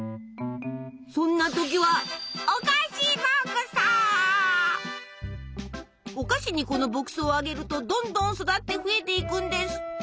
そんな時はお菓子にこの牧草をあげるとどんどん育って増えていくんです。